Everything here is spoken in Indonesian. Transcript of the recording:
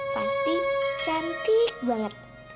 pasti cantik banget